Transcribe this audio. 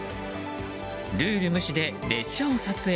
ルール無視で列車を撮影。